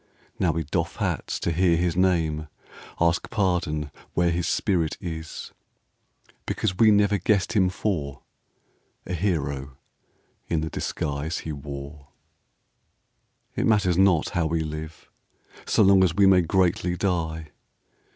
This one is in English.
Now we doff hats to hear his name, Ask pardon where his spirit is, Because we never guessed him for A hero in the disguise he wore. 38 FLOWER OF YOUTH It matters little how we live So long as we may greatly die.